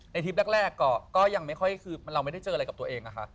ทริปแรกก็ยังไม่ค่อยคือเราไม่ได้เจออะไรกับตัวเองนะคะ